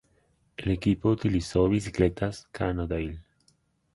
El equipo utilizó bicicletas "Cannondale".